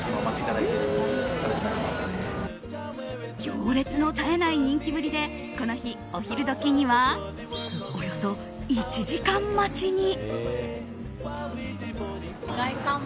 行列の絶えない人気ぶりでこの日、お昼時にはおよそ１時間待ちに。